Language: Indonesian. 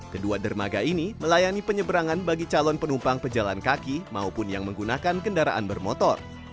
kedua dermaga ini melayani penyeberangan bagi calon penumpang pejalan kaki maupun yang menggunakan kendaraan bermotor